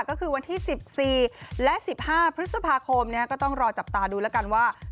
ก็คือวันที่๑๔และ๑๕พฤษภาคมก็ต้องรอจับตาดูแล้วกันว่า